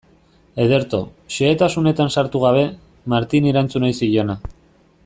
Ederto, xehetasunetan sartu gabe, Martini erantzun ohi ziona.